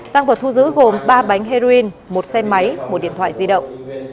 tăng vật thu giữ gồm ba bánh heroin một xe máy một điện thoại di động